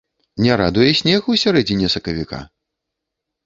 Не радуе снег ў сярэдзіне сакавіка?